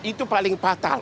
itu paling fatal